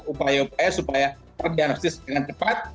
upaya upaya supaya terdianaksis dengan cepat